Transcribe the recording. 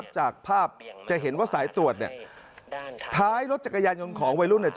จากภาพจะเห็นว่าสายตรวจท้ายรถจักรยานยนต์ของวัยรุ่น